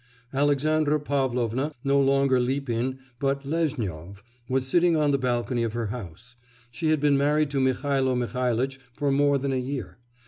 Alexandra Pavlovna, no longer Lipin but Lezhnyov, was sitting on the balcony of her house; she had been married to Mihailo Mihailitch for more than a year.